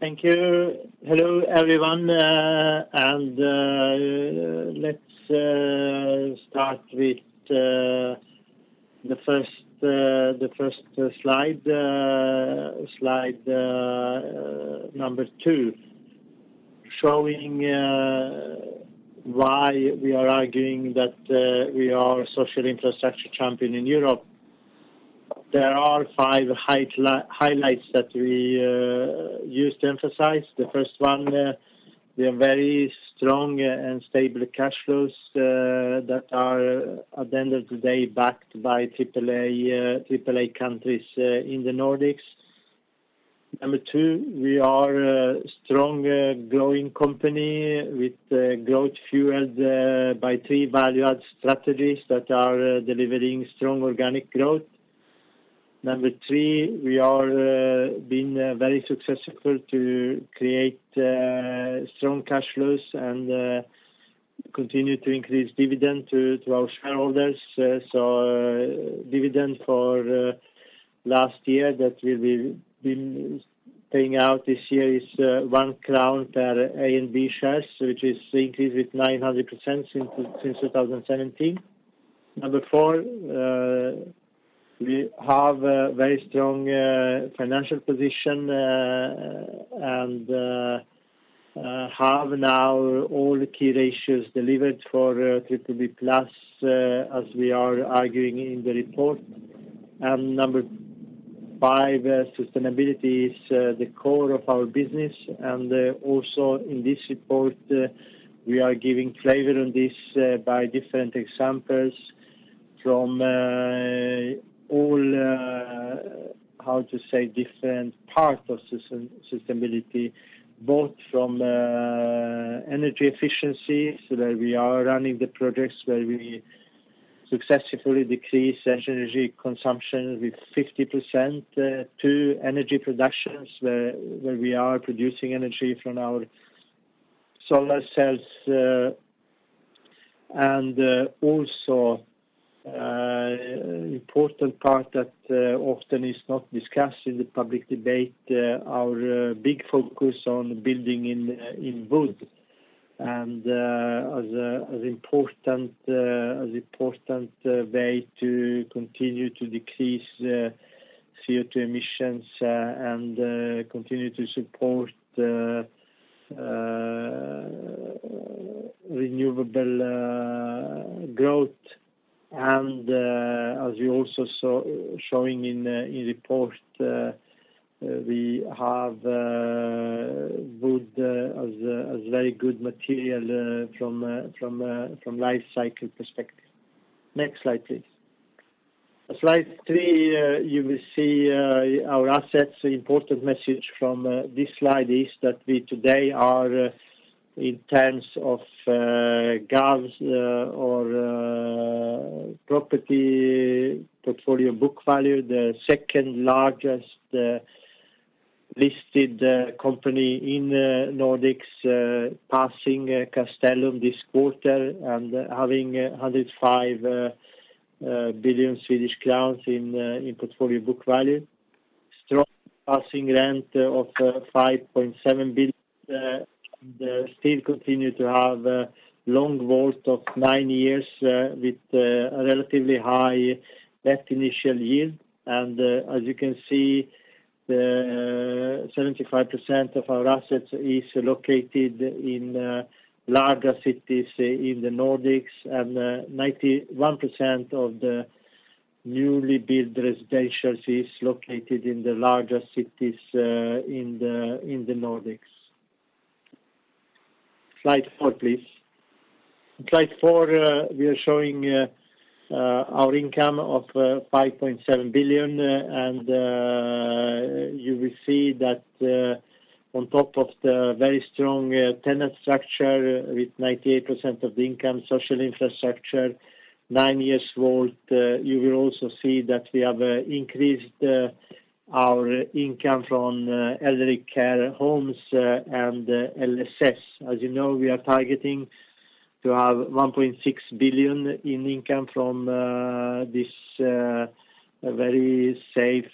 Thank you. Hello, everyone. Let's start with the first slide number two, showing why we are arguing that we are a social infrastructure champion in Europe. There are five highlights that we use to emphasize. The first one. We have very strong and stable cash flows that are, at the end of the day, backed by AAA countries in the Nordics. Number two, we are a strong, growing company with growth fueled by three value-add strategies that are delivering strong organic growth. Number three, we have been very successful to create strong cash flows and continue to increase dividend to our shareholders. Dividend for last year that we will be paying out this year is 1 crown per A and B shares, which is increased with 900% since 2017. Number four, we have a very strong financial position and have now all key ratios delivered for BBB+ as we are arguing in the report. Number five, sustainability is the core of our business, also in this report, we are giving flavor on this by different examples from all, how to say, different parts of sustainability, both from energy efficiency, so that we are running the projects where we successfully decrease energy consumption with 50%, to energy productions where we are producing energy from our solar cells. Also important part that often is not discussed in the public debate, our big focus on building in wood as important way to continue to decrease CO2 emissions and continue to support renewable growth. As we also showing in report, we have wood as a very good material from life cycle perspective. Next slide, please. Slide three, you will see our assets. The important message from this slide is that we today are, in terms of GAVs or property portfolio book value, the second-largest listed company in Nordics, passing Castellum this quarter and having 105 billion Swedish crowns in portfolio book value. Strong passing rent of 5.7 billion still continue to have a long WAULT of nine years with a relatively high net initial yield. As you can see, 75% of our assets is located in larger cities in the Nordics, 91% of the newly built residentials is located in the larger cities in the Nordics. Slide four, please. In slide four, we are showing our income of 5.7 billion, and you will see that on top of the very strong tenant structure with 98% of the income social infrastructure, nine years WAULT, you will also see that we have increased our income from elderly care homes and LSS. You know, we are targeting to have 1.6 billion in income from this very safe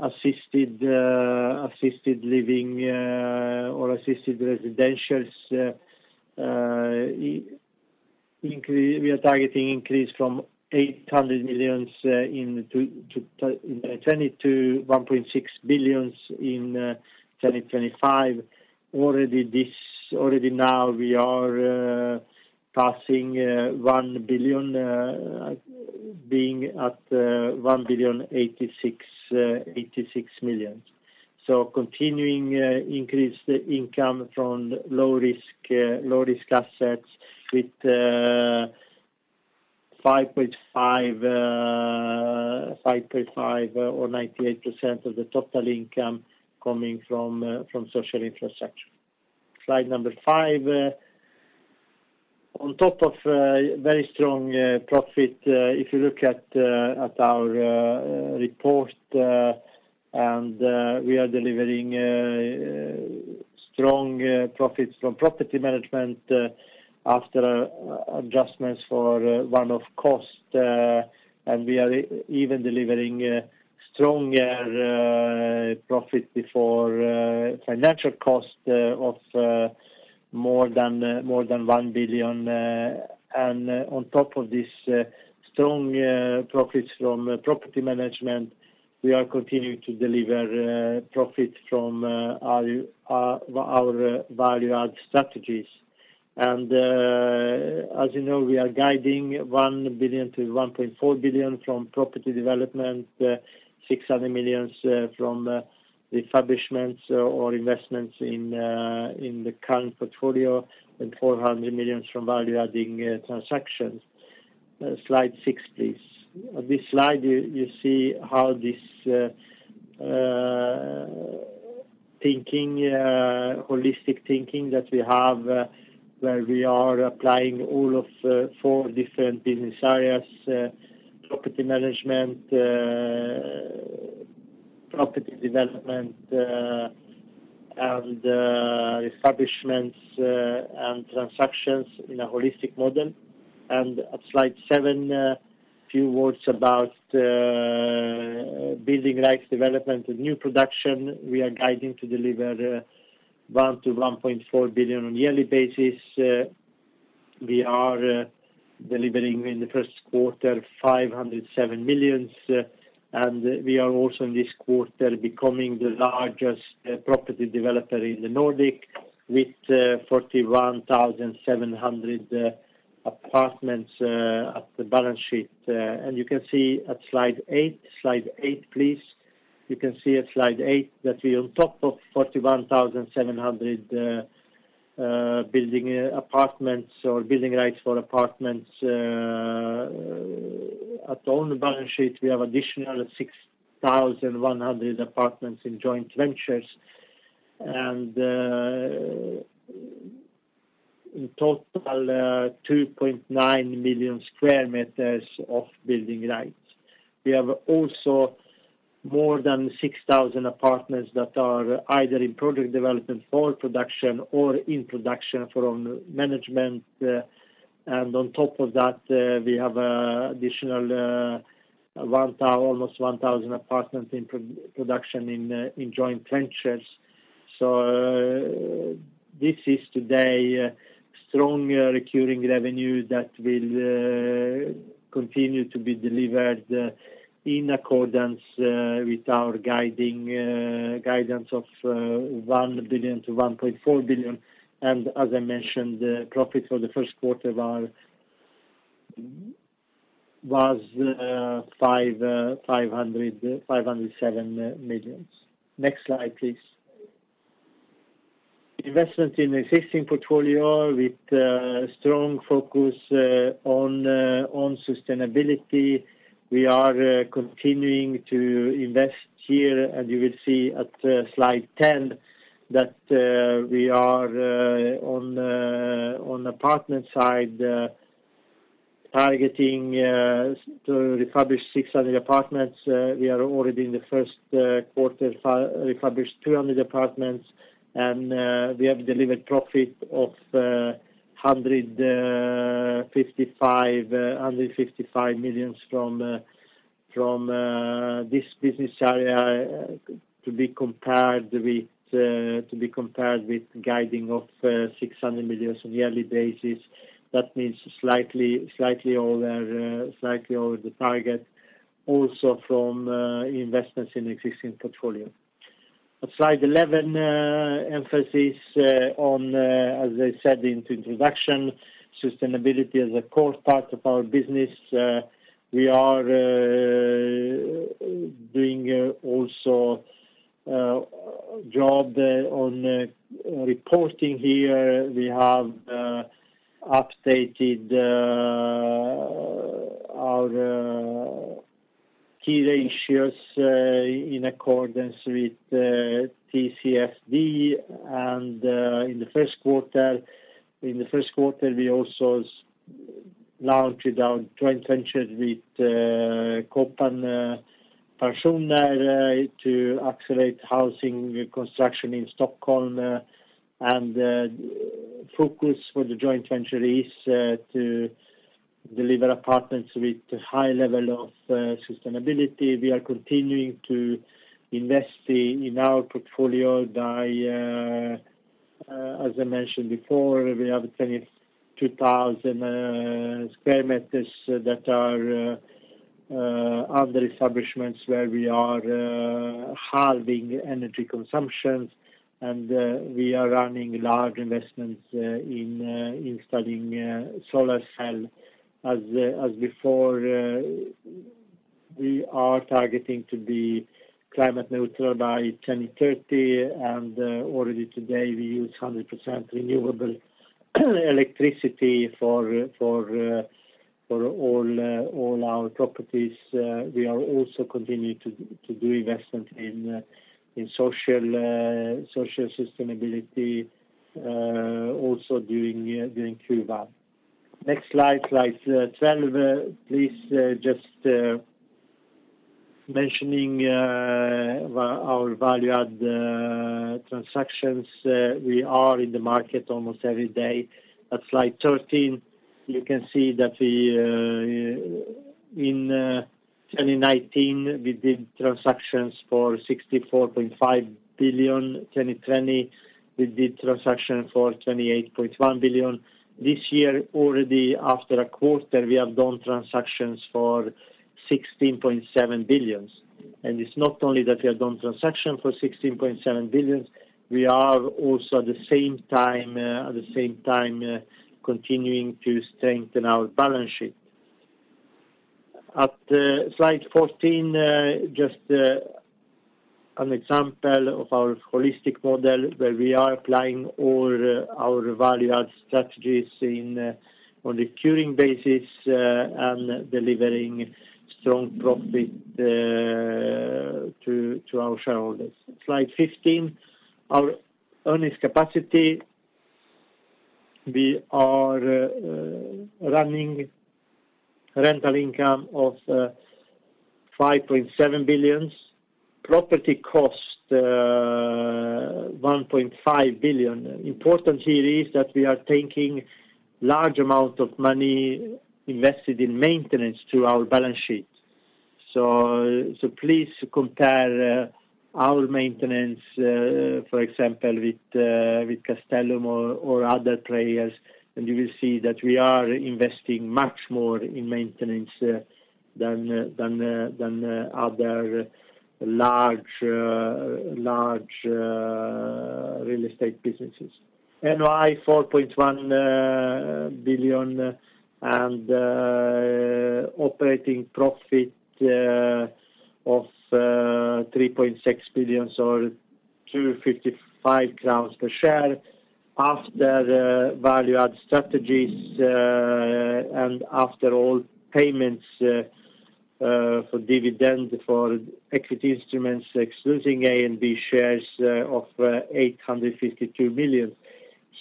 assisted living or assisted residentials. We are targeting increase from 800 million in 2020 to 1.6 billion in 2025. Already now we are passing 1 billion, being at 1.086 billion. Continuing increased income from low-risk assets with 5.5% or 98% of the total income coming from social infrastructure. Slide number five. On top of very strong profit, if you look at our report, and we are delivering profits from property management after adjustments for one-off cost. We are even delivering stronger profit before financial cost of more than 1 billion. On top of this strong profits from property management, we are continuing to deliver profit from our value-add strategies. As you know, we are guiding 1 billion to 1.4 billion from property development, 600 million from establishments or investments in the current portfolio, and 400 million from value-adding transactions. Slide six, please. On this slide, you see how this holistic thinking that we have where we are applying all of four different business areas: property management, property development, and establishments and transactions in a holistic model. At slide seven, a few words about building rights development and new production. We are guiding to deliver 1 billion to 1.4 billion on yearly basis. We are delivering in the first quarter 507 million, and we are also in this quarter becoming the largest property developer in the Nordic with 41,700 apartments at the balance sheet. You can see at slide eight. Slide eight, please. You can see at slide eight that we on top of 41,700 building apartments or building rights for apartments at own balance sheet, we have additional 6,100 apartments in joint ventures and in total 2.9 million sq m of building rights. We have also more than 6,000 apartments that are either in project development for production or in production from management. On top of that, we have additional almost 1,000 apartments in production in joint ventures. This is today stronger recurring revenue that will continue to be delivered in accordance with our guidance of 1 billion-1.4 billion. As I mentioned, profit for the first quarter was 507 million. Next slide, please. Investment in existing portfolio with a strong focus on sustainability. We are continuing to invest here. You will see at slide 10 that we are, on apartment side, targeting to refurbish 600 apartments. We are already in the first quarter refurbish 200 apartments. We have delivered profit of 155 million from this business area, to be compared with guiding of 600 million on yearly basis. That means slightly over the target also from investments in existing portfolio. At slide 11, emphasis on, as I said in introduction, sustainability as a core part of our business. We are doing also a job on reporting here. We have updated our key ratios in accordance with TCFD. In the first quarter, we also launched our joint venture with Kåpan Pensioner to accelerate housing construction in Stockholm. The focus for the joint venture is to deliver apartments with high level of sustainability. We are continuing to invest in our portfolio. As I mentioned before, we have 22,000 sq m that are under establishments where we are halving energy consumptions, and we are running large investments in installing solar cell. As before, we are targeting to be climate neutral by 2030, and already today we use 100% renewable electricity for all our properties. We are also continuing to do investment in social sustainability also during Q1. Next slide 12, please. Mentioning our value-add transactions. We are in the market almost every day. At slide 13, you can see that in 2019, we did transactions for 64.5 billion. 2020, we did transactions for 28.1 billion. This year, already after a quarter, we have done transactions for 16.7 billion. It's not only that we have done transactions for 16.7 billion, we are also at the same time continuing to strengthen our balance sheet. At slide 14, just an example of our holistic model where we are applying all our value-add strategies on the recurring basis and delivering strong profit to our shareholders. Slide 15, our earnings capacity. We are running rental income of 5.7 billion. Property cost, 1.5 billion. Important here is that we are taking large amount of money invested in maintenance to our balance sheet. Please compare our maintenance, for example, with Castellum or other players, and you will see that we are investing much more in maintenance than other large real estate businesses. NOI 4.1 billion and operating profit of 3.6 billion or 255 crowns per share after the value-add strategies, and after all payments for dividend for equity instruments, excluding A and B shares of 852 million.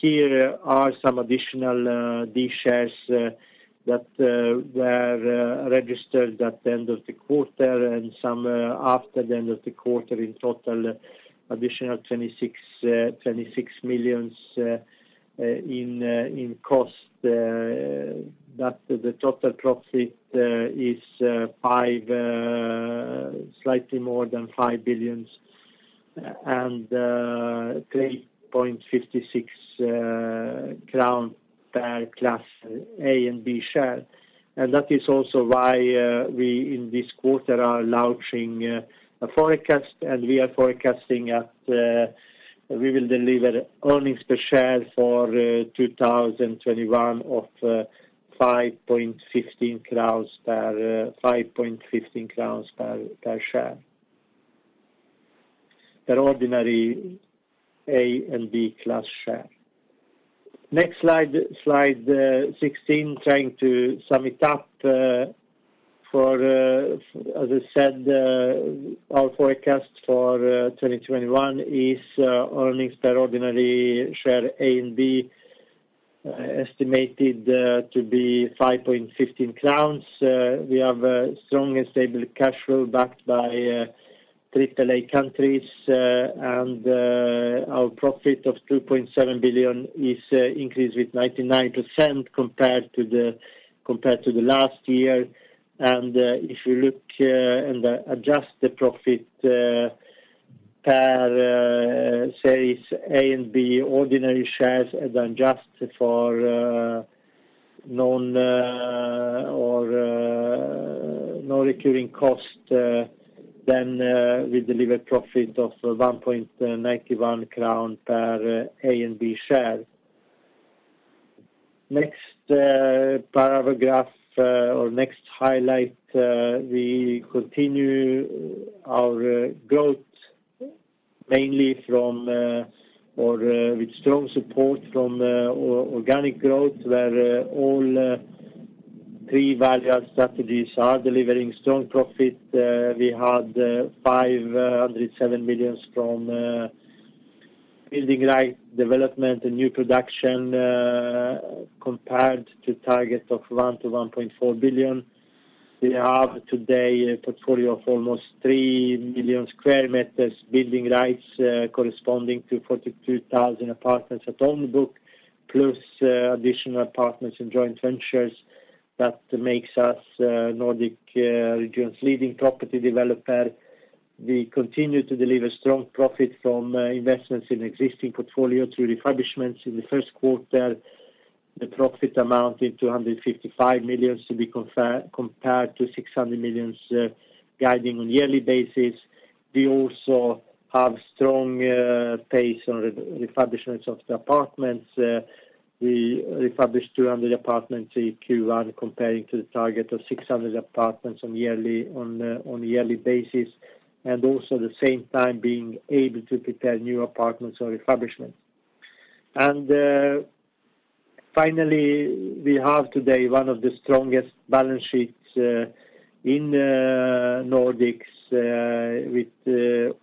Here are some additional B shares that were registered at the end of the quarter and some after the end of the quarter. In total, additional 26 million in cost. The total profit is slightly more than 5 billion and 3.56 crown per class A and B share. That is also why we, in this quarter, are launching a forecast, and we are forecasting that we will deliver earnings per share for 2021 of 5.15 crowns per share, per ordinary A and B class share. Next slide 16, trying to sum it up. As I said, our forecast for 2021 is earnings per ordinary share A and B, estimated to be 5.15 crowns. We have a strong and stable cash flow backed by AAA countries. Our profit of 2.7 billion is increased with 99% compared to the last year. If you look and adjust the profit per shares A and B ordinary shares then adjust it for non-recurring cost, then we deliver profit of 1.91 crown per A and B share. Next paragraph or next highlight, we continue our growth mainly from or with strong support from organic growth, where all three value-add strategies are delivering strong profit. We had 507 million from building right development and new production compared to target of 1 billion-1.4 billion. We have today a portfolio of almost 3 million sq m, building rights corresponding to 42,000 apartments at on book, plus additional apartments and joint ventures that makes us Nordic region's leading property developer. We continue to deliver strong profit from investments in existing portfolio through refurbishments. In the first quarter, the profit amounted to 155 million to be compared to 600 million guiding on yearly basis. We also have strong pace on refurbishments of the apartments. We refurbished 200 apartments in Q1 comparing to the target of 600 apartments on yearly basis, also at the same time being able to prepare new apartments for refurbishment. Finally, we have today one of the strongest balance sheets in Nordics with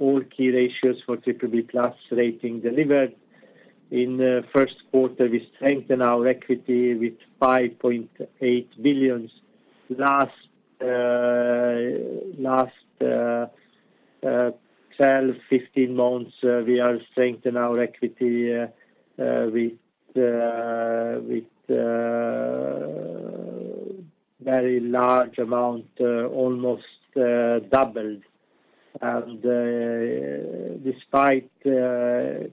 all key ratios for BBB+ rating delivered. In the first quarter, we strengthen our equity with 5.8 billion. Last 12, 15 months, we are strengthen our equity with very large amount, almost doubled. Despite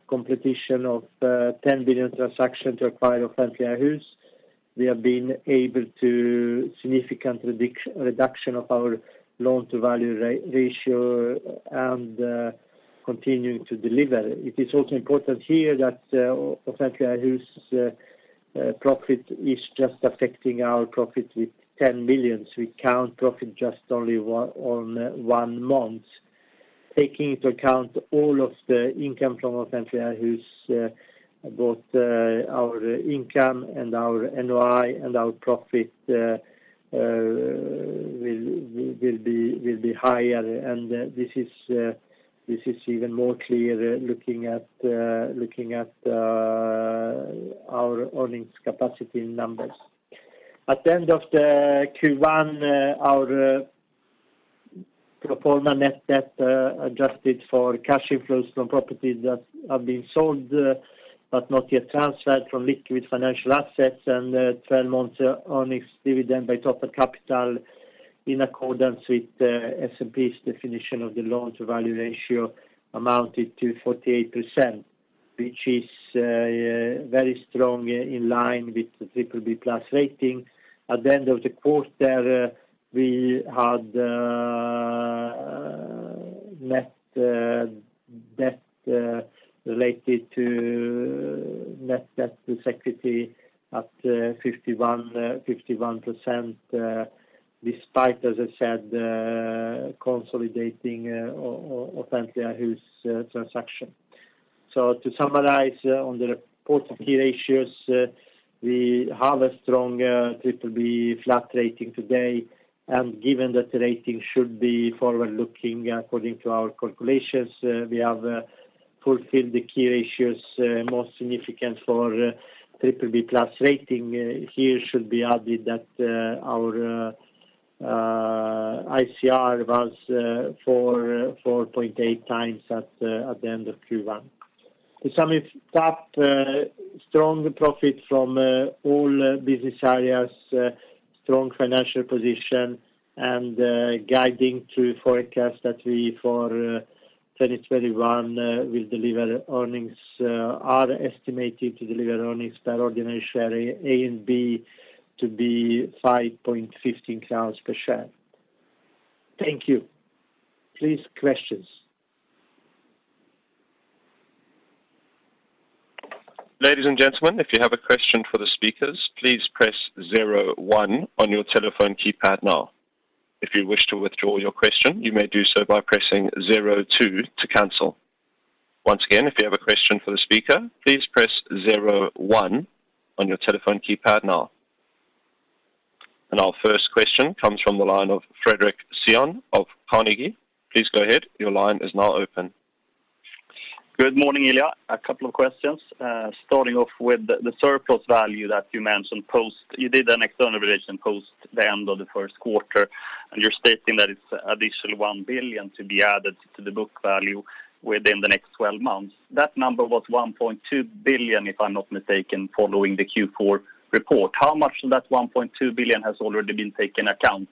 competition of SEK 10 billion transaction to acquire Offentliga Hus, we have been able to significant reduction of our loan to value ratio and continuing to deliver. It is also important here that Offentliga Hus profit is just affecting our profit with 10 billion. We count profit just only on one month. Taking into account all of the income from Offentliga Hus, both our income and our NOI and our profit will be higher. This is even more clear looking at our earnings capacity numbers. At the end of the Q1, our pro forma net debt adjusted for cash inflows from properties that have been sold but not yet transferred from liquid financial assets and 12 months earnings dividend by total capital in accordance with S&P's definition of the loan to value ratio amounted to 48%, which is very strong, in line with the BBB+ rating. At the end of the quarter, we had net debt related to net debt to equity at 51%, despite, as I said, consolidating Offentliga Hus transaction. To summarize on the report of key ratios, we have a strong BBB flat rating today. Given that the rating should be forward-looking according to our calculations, we have fulfilled the key ratios most significant for BBB+ rating. Here should be added that our ICR was 4.8x at the end of Q1. To sum it up, strong profit from all business areas, strong financial position, and guiding through forecast that we for 2021 are estimated to deliver earnings per ordinary share A and B to be 5.15 per share. Thank you. Please, questions. Ladies and gentlemen, if you have a question for the speakers, please press zero one on your telephone keypad now. If you wish to withdraw your question, you may do so by pressing zero two to cancel. Once again, if you have a question for the speaker, please press zero one on your telephone keypad now. Our first question comes from the line of Fredrik Cyon of Carnegie. Please go ahead. Your line is now open. Good morning, Ilija. A couple of questions. Starting off with the surplus value that you mentioned. You did an external valuation post the end of the first quarter, and you're stating that it's additional 1 billion to be added to the book value within the next 12 months. That number was 1.2 billion, if I'm not mistaken, following the Q4 report. How much of that 1.2 billion has already been taken account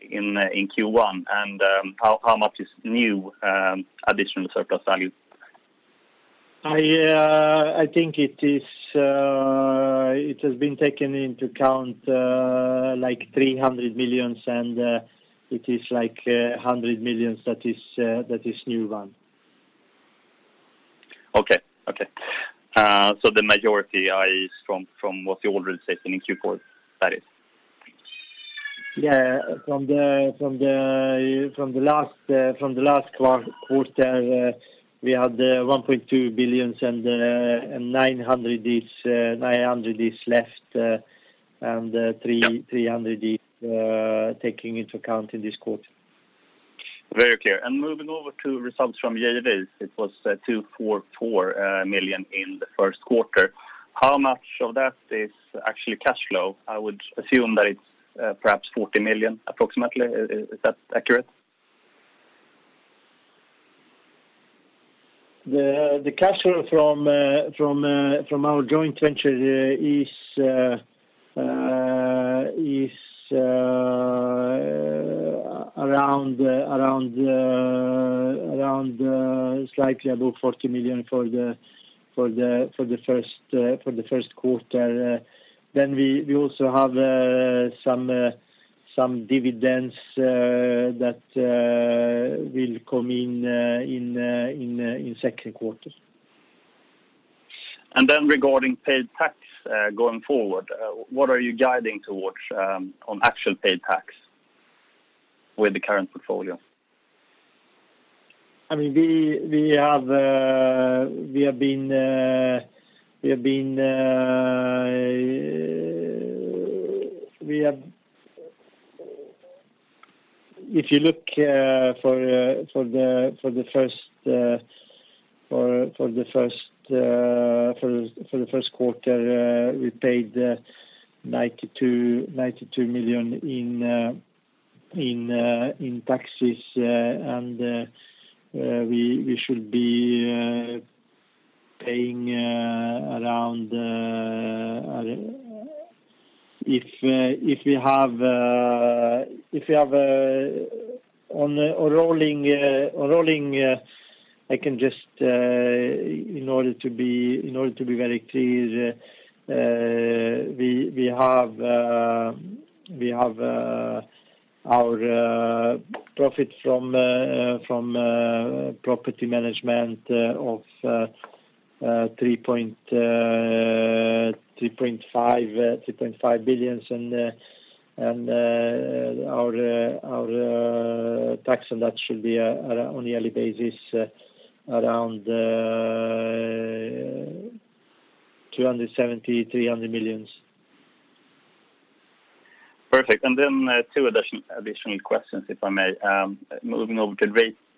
in Q1, and how much is new additional surplus value? I think it has been taken into account, like 300 million, and it is like 100 million that is new one. Okay. The majority is from what you already stated in Q4. That is it. Yeah. From the last quarter, we had 1.2 billion and 900 is left, and 300 is taking into account in this quarter. Very clear. Moving over to results from JVs, it was 244 million in the first quarter. How much of that is actually cash flow? I would assume that it's perhaps 40 million approximately. Is that accurate? The cash flow from our joint venture is around slightly above 40 million for the first quarter. We also have some dividends that will come in second quarter. Then regarding paid tax going forward, what are you guiding towards on actual paid tax with the current portfolio? If you look for the first quarter, we paid 92 million in taxes, and we should be paying, in order to be very clear, our profit from property management of 3.5 billions, and our tax on that should be on a yearly basis around 270, 300 millions. Perfect. Then two additional questions, if I may. Moving over to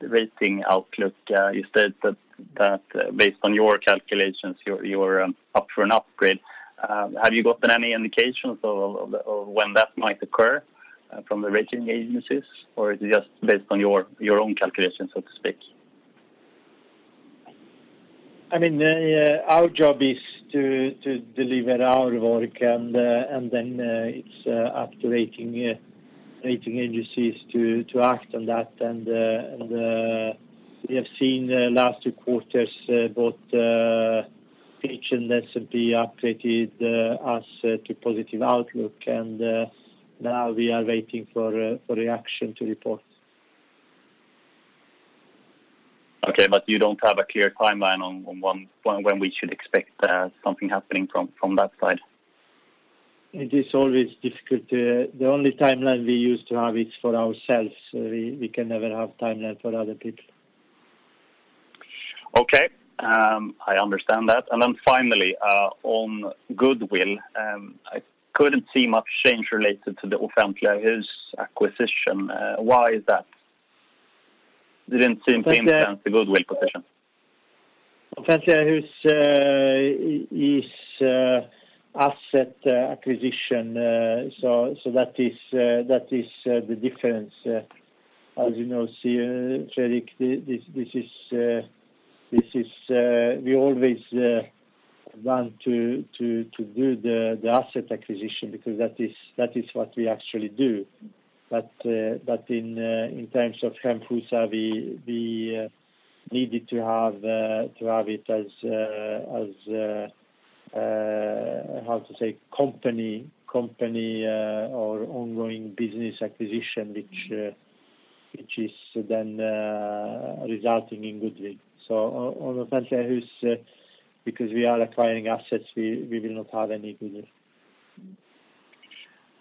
rating outlook, you said that based on your calculations, you are up for an upgrade. Have you gotten any indications of when that might occur from the rating agencies, or is it just based on your own calculations, so to speak? Our job is to deliver our work, and then it's up to rating agencies to act on that. We have seen last two quarters, both Fitch and S&P upgraded us to positive outlook, and now we are waiting for reaction to reports. Okay, you don't have a clear timeline on when we should expect something happening from that side? It is always difficult. The only timeline we use to have is for ourselves. We can never have timeline for other people. Okay. I understand that. Finally, on goodwill, I couldn't see much change related to the Offentliga Hus acquisition. Why is that? Didn't seem to impact the goodwill position. Offentliga Hus is asset acquisition. That is the difference. As you know, Fredrik, we always want to do the asset acquisition because that is what we actually do. In terms of Hemfosa, we needed to have it as, how to say, company or ongoing business acquisition, which is then resulting in goodwill. On Offentliga Hus, because we are acquiring assets, we will not have any goodwill.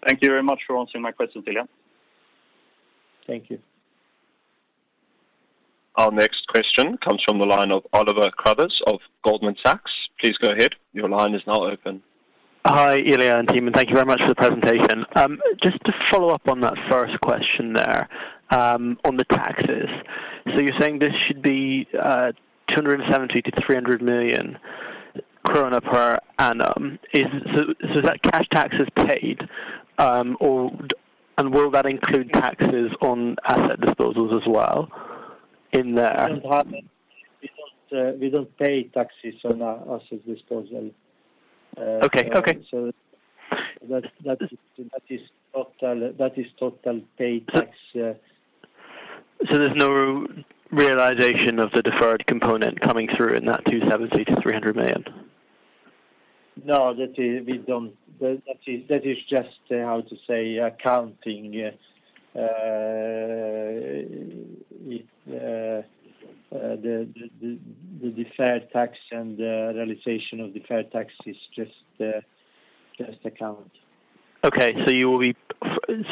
Thank you very much for answering my question, Ilija. Thank you. Our next question comes from the line of Oliver Carruthers of Goldman Sachs. Please go ahead. Your line is now open. Hi, Ilija and team, and thank you very much for the presentation. Just to follow up on that first question there on the taxes. You're saying this should be 270 million-300 million krona per annum. Is that cash taxes paid, and will that include taxes on asset disposals as well in there? We don't pay taxes on our asset disposal. Okay. That is total paid tax. There's no realization of the deferred component coming through in that 270 million-300 million? No. That is just, how to say, accounting. The deferred tax and realization of deferred tax is just accounting. Okay.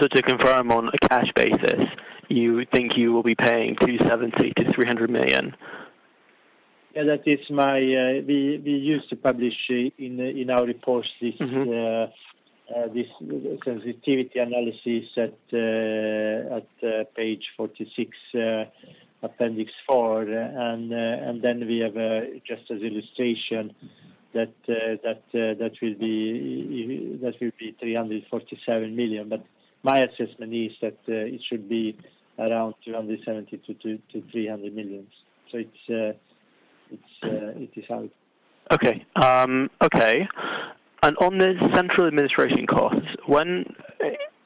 To confirm on a cash basis, you think you will be paying 270 million-300 million? We used to publish in our reports this sensitivity analysis at page 46, appendix four. We have just as illustration that will be 347 million. My assessment is that it should be around 270 million-300 million. It is out. Okay. On the central administration costs,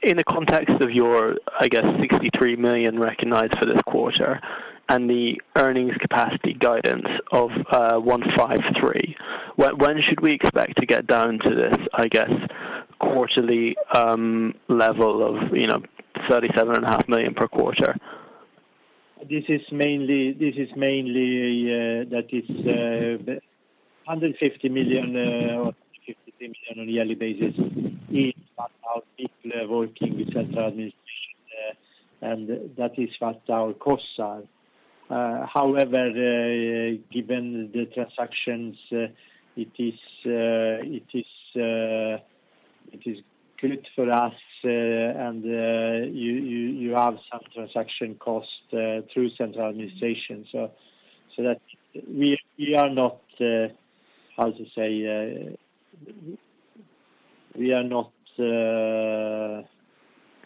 in the context of your, I guess 63 million recognized for this quarter and the earnings capacity guidance of 153 million, when should we expect to get down to this, I guess, quarterly level of 37.5 million per quarter? This is mainly that it's 150 million or 153 million on a yearly basis in our people working with central administration. That is what our costs are. However given the transactions, it is good for us and you have some transaction costs through central administration. We are not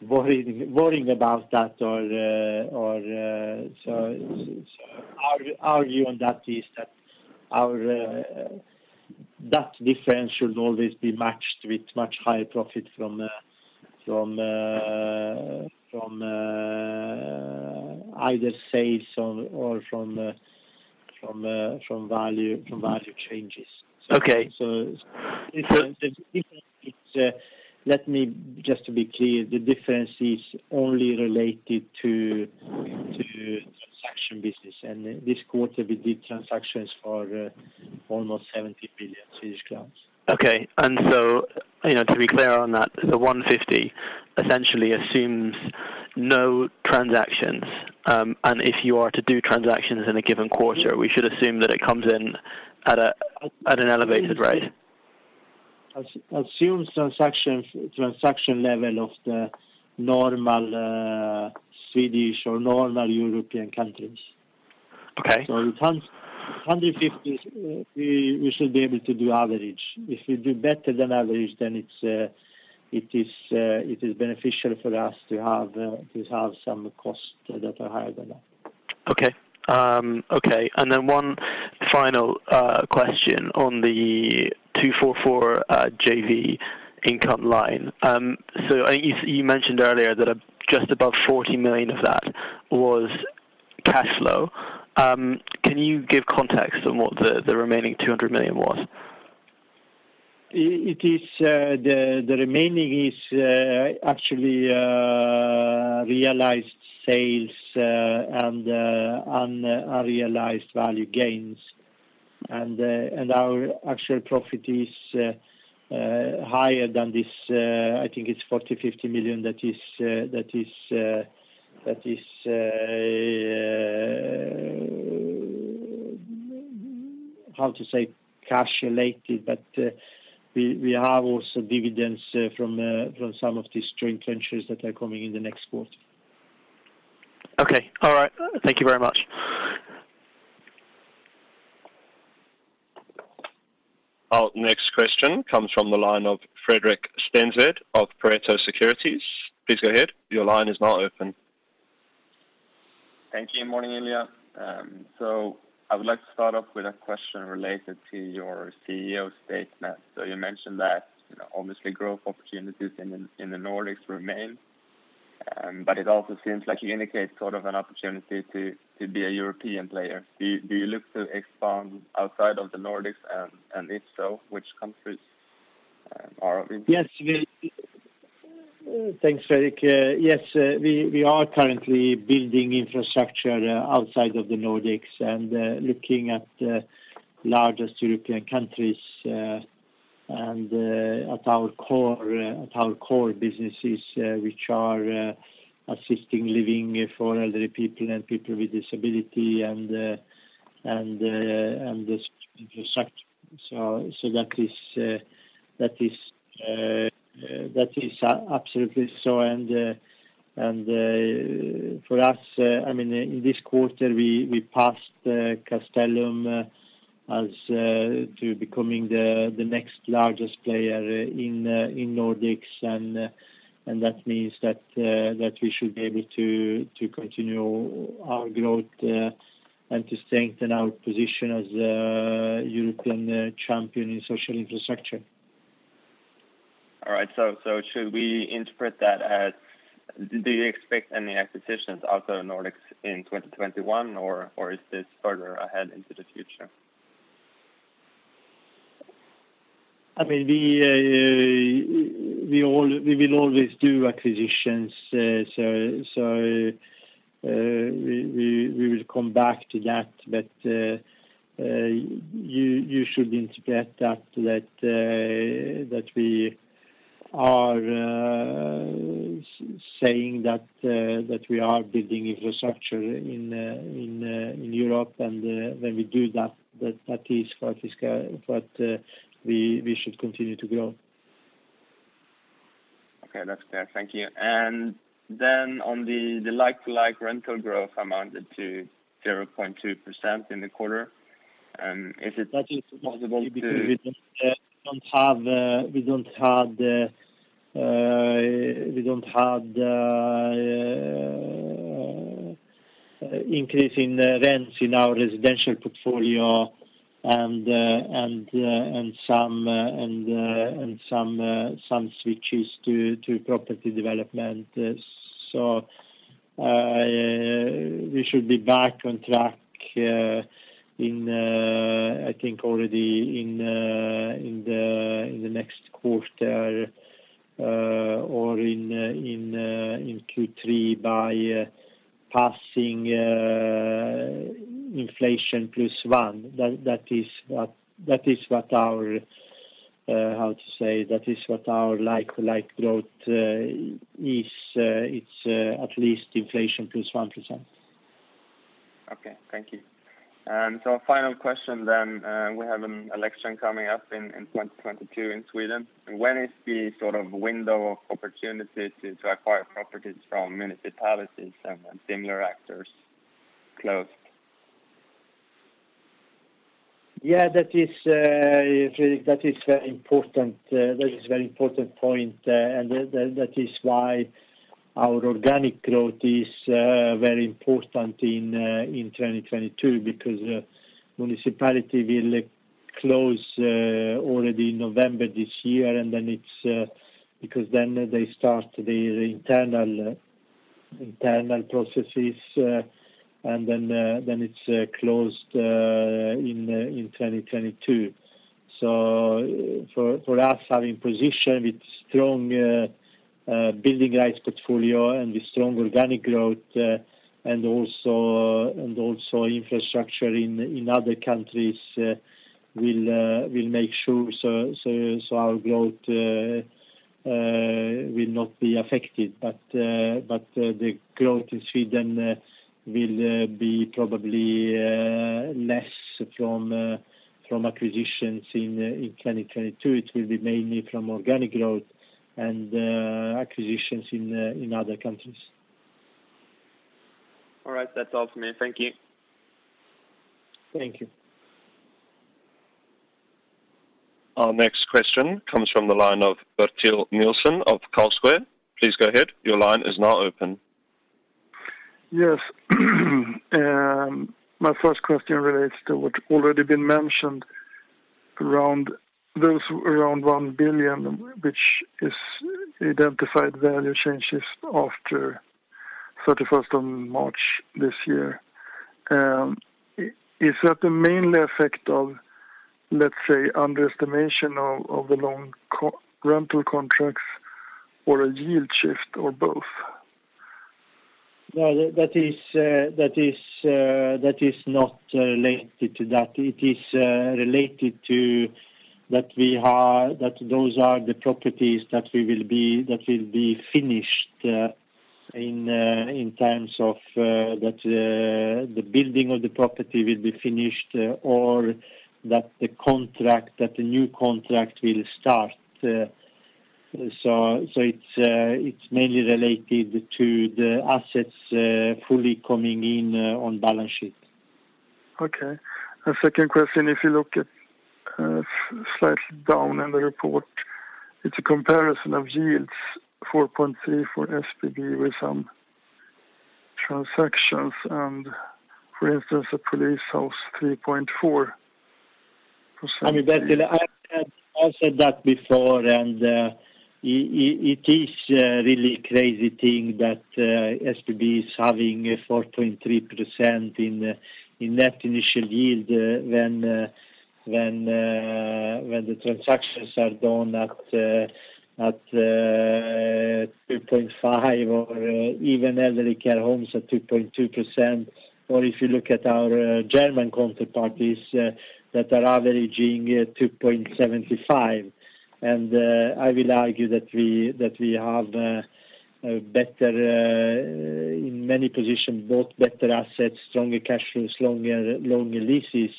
worrying about that. Our view on that is that difference should always be matched with much higher profit from either sales or from value changes. Okay. Just to be clear, the difference is only related to transaction business, and this quarter we did transactions for almost 70 billion Swedish crowns. Okay. To be clear on that, the 150 million essentially assumes no transactions, and if you are to do transactions in a given quarter, we should assume that it comes in at an elevated rate? Assumes transaction level of the normal Swedish or normal European countries. Okay. 150 million we should be able to do average. If we do better than average, then it is beneficial for us to have some costs that are higher than that. Okay. One final question on the 244 million JV income line. You mentioned earlier that just above 40 million of that was cash flow. Can you give context on what the remaining 200 million was? The remaining is actually realized sales and unrealized value gains. Our actual profit is higher than this, I think it's 40 million-50 million that is, how to say, cash related. We have also dividends from some of these joint ventures that are coming in the next quarter. Okay. All right. Thank you very much. Our next question comes from the line of Fredrik Stensved of Pareto Securities. Please go ahead. Your line is now open. Thank you. Morning, Ilija. I would like to start off with a question related to your CEO statement. You mentioned that obviously growth opportunities in the Nordics remain, but it also seems like you indicate sort of an opportunity to be a European player. Do you look to expand outside of the Nordics? If so, which countries are of interest? Thanks, Fredrik. Yes, we are currently building infrastructure outside of the Nordics and looking at largest European countries and at our core businesses which are assisted living for elderly people and people with disability and this infrastructure. That is absolutely so. In this quarter we passed Castellum as to becoming the next largest player in Nordics, and that means that we should be able to continue our growth and to strengthen our position as a European champion in social infrastructure. All right. Should we interpret that as, do you expect any acquisitions out of Nordics in 2021, or is this further ahead into the future? We will always do acquisitions. We will come back to that. You should interpret that we are saying that we are building infrastructure in Europe, and when we do that is what we should continue to grow. Okay. That's clear. Thank you. Then on the like-for-like rental growth amounted to 0.2% in the quarter. Is it possible to- That is possible because we don't have increasing rents in our residential portfolio and some switches to property development. We should be back on track I think already in the next quarter or in Q3 by passing inflation plus one. That is what our like growth is. It's at least inflation plus 1%. Okay. Thank you. Final question. We have an election coming up in 2022 in Sweden. When is the window of opportunity to acquire properties from municipalities and similar actors closed? Yeah, that is very important point. That is why our organic growth is very important in 2022, because municipality will close already November this year. Then they start the internal processes, and then it's closed in 2022. For us, having position with strong building rights portfolio and with strong organic growth, and also infrastructure in other countries will make sure so our growth will not be affected. The growth in Sweden will be probably less from acquisitions in 2022. It will be mainly from organic growth and acquisitions in other countries. All right. That's all from me. Thank you. Thank you. Our next question comes from the line of Bertil Nilsson of Carlsquare. Please go ahead. Yes. My first question relates to what already been mentioned around those 1 billion, which is identified value changes after March 31st this year. Is that the mainly effect of, let's say, underestimation of the long rental contracts or a yield shift, or both? No, that is not related to that. It is related to that those are the properties that will be finished in terms of that the building of the property will be finished or that the new contract will start. It's mainly related to the assets fully coming in on balance sheet. Okay. A second question, if you look at slightly down in the report, it's a comparison of yields 4.3% for SBB with some transactions and, for instance, a police house 3.4%. Bertil, I said that before, it is a really crazy thing that SBB is having 4.3% in net initial yield when the transactions are done at 2.5% or even elderly care homes at 2.2%. If you look at our German counterparties that are averaging 2.75%. I will argue that we have in many positions, both better assets, stronger cash flows, longer leases.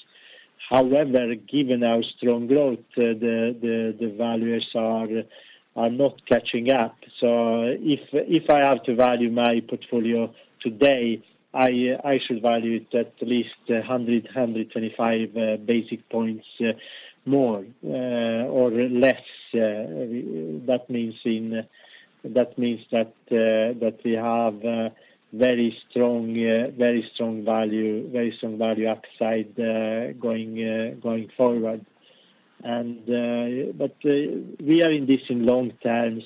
However, given our strong growth, the values are not catching up. If I have to value my portfolio today, I should value it at least 100, 125 basis points more or less. That means that we have very strong value upside going forward. We are in this in long term,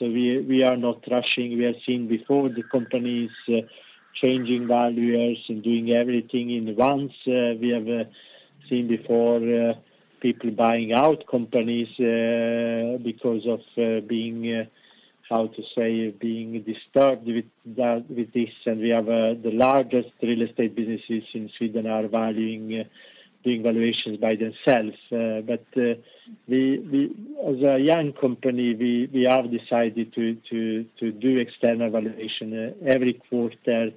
we are not rushing. We have seen before the companies changing valuers and doing everything in once. We have seen before people buying out companies because of being, how to say, being disturbed with this. We have the largest real estate businesses in Sweden are doing valuations by themselves. As a young company, we have decided to do external valuation every quarter,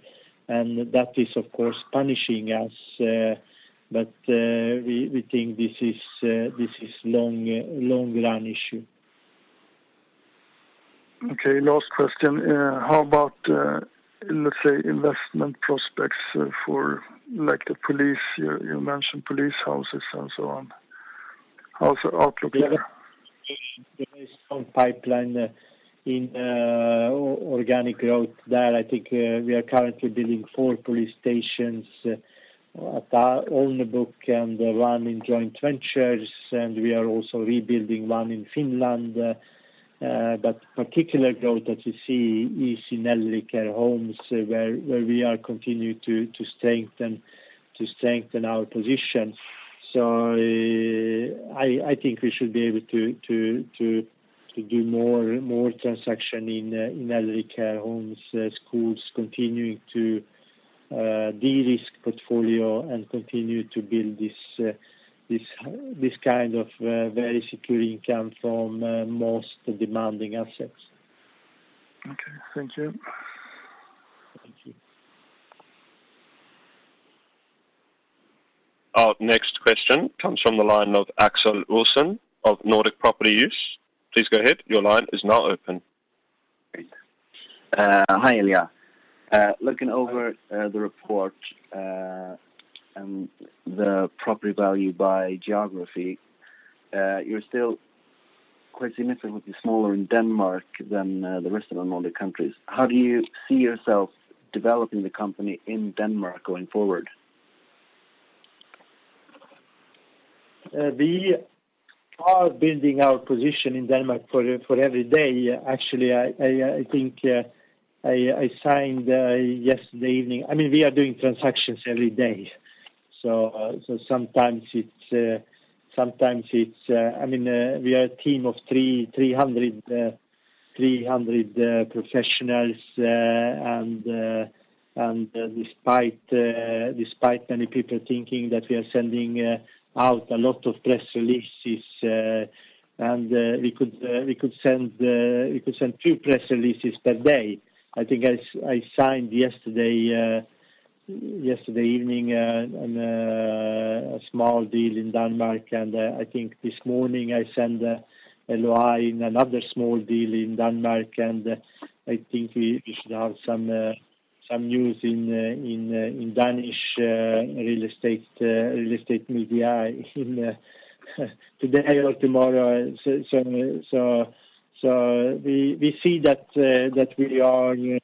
and that is, of course, punishing us. We think this is long run issue. Okay. Last question. How about, let's say, investment prospects for the police? You mentioned police houses and so on. How's the outlook there? There is some pipeline in organic growth there. I think we are currently building four police stations on the book and one in joint ventures, and we are also rebuilding one in Finland. Particular growth that you see is in elderly care homes, where we are continuing to strengthen our position. I think we should be able to do more transactions in elderly care homes, schools, continuing to de-risk portfolio, and continue to build this kind of very secure income from most demanding assets. Okay, thank you. Thank you. Our next question comes from the line of Axel Ohlsson of Nordic Property News. Please go ahead. Great. Hi, Ilija. Looking over the report and the property value by geography, you are still quite significantly smaller in Denmark than the rest of the Nordic countries. How do you see yourself developing the company in Denmark going forward? We are building our position in Denmark for every day. Actually, I think I signed yesterday evening. We are doing transactions every day. We are a team of 300 professionals, and despite many people thinking that we are sending out a lot of press releases, and we could send two press releases per day. I think I signed yesterday evening on a small deal in Denmark, and I think this morning I sent an LOI in another small deal in Denmark, and I think we should have some news in Danish real estate media today or tomorrow. We see that we are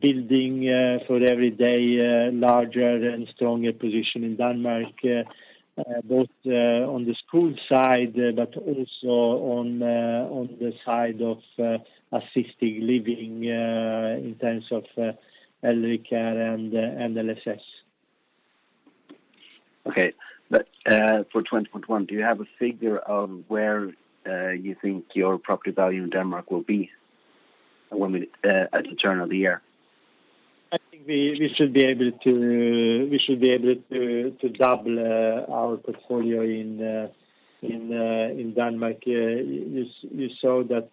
building for every day larger and stronger position in Denmark, both on the school side but also on the side of assisted living in terms of elderly care and LSS. Okay. For 2021, do you have a figure of where you think your property value in Denmark will be at the turn of the year? I think we should be able to double our portfolio in Denmark. You saw that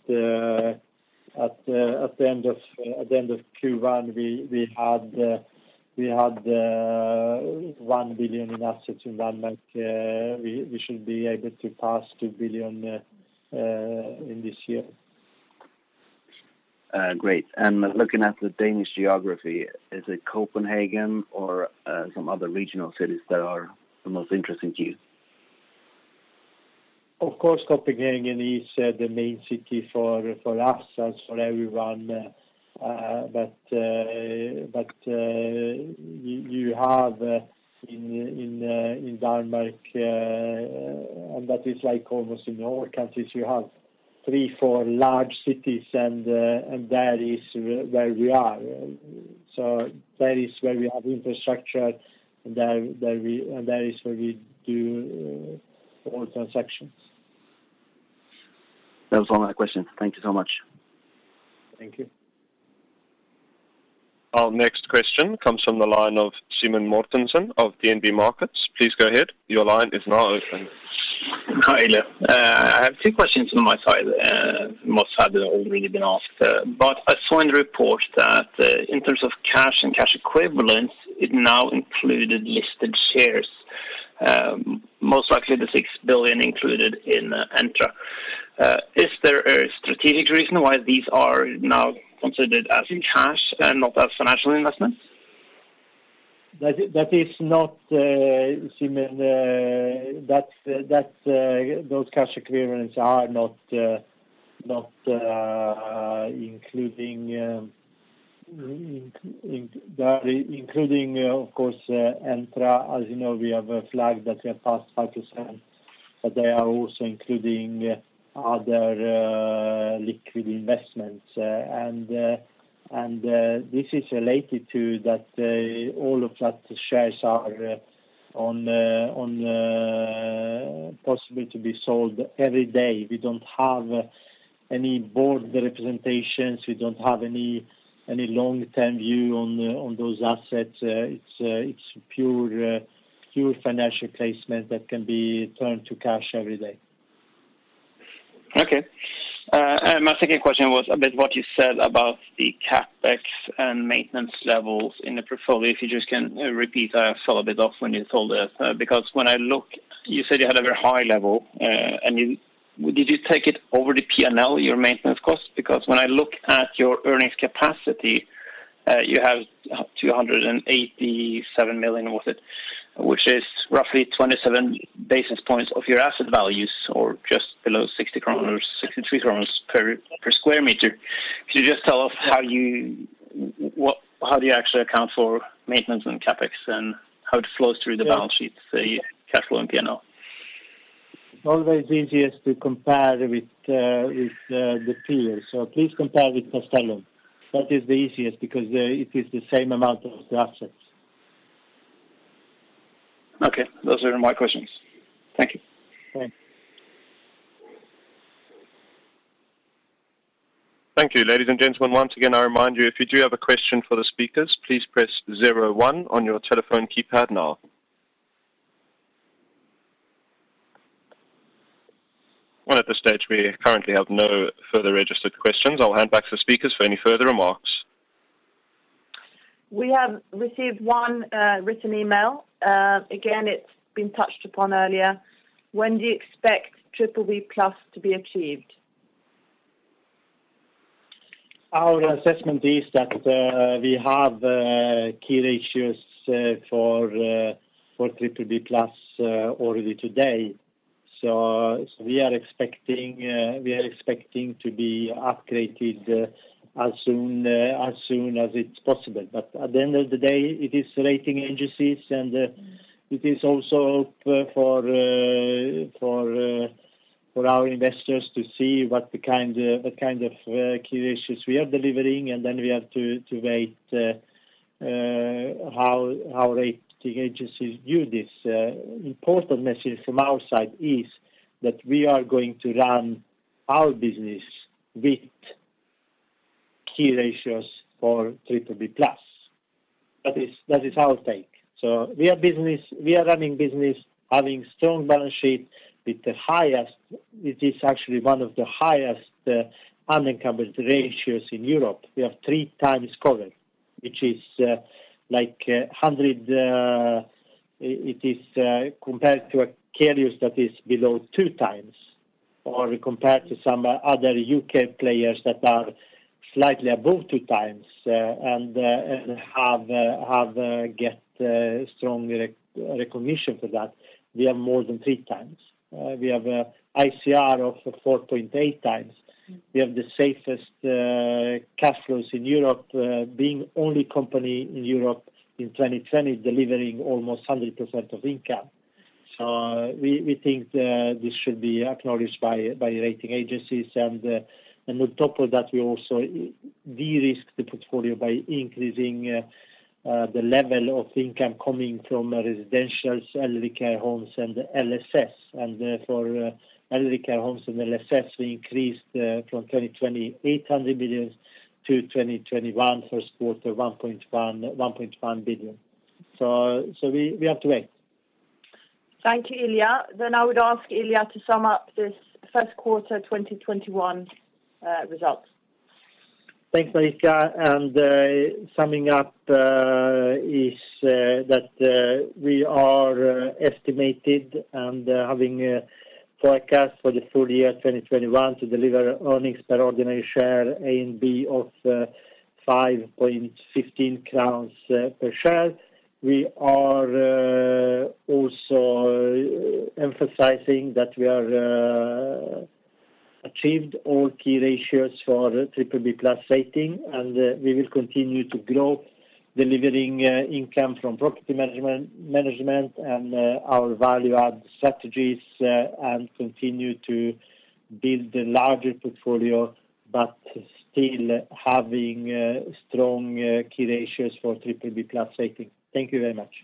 at the end of Q1, we had 1 billion in assets in Denmark. We should be able to pass 2 billion in this year. Great. Looking at the Danish geography, is it Copenhagen or some other regional cities that are the most interesting to you? Of course, Copenhagen is the main city for us, as for everyone. You have in Denmark, and that is like almost in all countries, you have three, four large cities, and that is where we are. That is where we have infrastructure, and that is where we do all transactions. That was all my questions. Thank you so much. Thank you. Our next question comes from the line of Simen Mortensen of DNB Markets. Please go ahead. Your line is now open. Hi, Ilija. I have two questions on my side. Most sadly, all have really been asked. I saw in the report that in terms of cash and cash equivalents, it now included listed shares, most likely the 6 billion included in Entra. Is there a strategic reason why these are now considered as cash and not as financial investments? Simen, those cash equivalents are not including, of course, Entra. As you know, we have a flag that we have passed 5%, but they are also including other liquid investments. This is related to that all of those shares are on possibility to be sold every day. We don't have any board representations. We don't have any long-term view on those assets. It's pure financial placement that can be turned to cash every day. Okay. My second question was about what you said about the CapEx and maintenance levels in the portfolio. If you just can repeat, I fell a bit off when you told it. When I look, you said you had a very high level. Did you take it over the P&L, your maintenance cost? When I look at your earnings capacity, you have 287 million worth it, which is roughly 27 basis points of your asset values, or just below 63 kronor per sq m. Could you just tell us how do you actually account for maintenance and CapEx, and how it flows through the balance sheets, the cash flow and P&L? Always easiest to compare with the peers. Please compare with Castellum. That is the easiest because it is the same amount of the assets. Okay. Those are my questions. Thank you. Thank you. Thank you, ladies and gentlemen. Once again, I remind you, if you do have a question for the speakers, please press zero one on your telephone keypad now. Well, at this stage, we currently have no further registered questions. I'll hand back to the speakers for any further remarks. We have received one written email. Again, it's been touched upon earlier. When do you expect BBB+ to be achieved? Our assessment is that we have key ratios for BBB+ already today. We are expecting to be upgraded as soon as it's possible. At the end of the day, it is rating agencies, and it is also for our investors to see what kind of key ratios we are delivering, we have to wait how rating agencies view this. Important message from our side is that we are going to run our business with key ratios for BBB+. That is our take. We are running business having strong balance sheet. It is actually one of the highest unencumbered ratios in Europe. We have 3x covered, which is compared to a carrier that is below 2x, or compared to some other U.K. players that are slightly above 2x, and get strong recognition for that. We are more than 3x. We have ICR of 4.8x. We have the safest cash flows in Europe, being only company in Europe in 2020 delivering almost 100% of income. We think this should be acknowledged by rating agencies. On top of that, we also de-risk the portfolio by increasing the level of income coming from residentials, elderly care homes, and LSS. For elderly care homes and LSS, we increased from 2020 800 million to 2021 first quarter, 1.1 billion. We have to wait. Thank you, Ilija. I would ask Ilija to sum up this first quarter 2021 results. Thanks, Marika. Summing up is that we are estimated and having forecast for the full year 2021 to deliver earnings per ordinary share A and B of 5.15 crowns per share. We are also emphasizing that we are achieved all key ratios for BBB+ rating, and we will continue to grow, delivering income from property management and our value add strategies, and continue to build a larger portfolio, but still having strong key ratios for BBB+ rating. Thank you very much.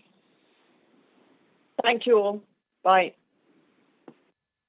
Thank you all. Bye.